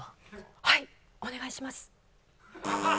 はいお願いします。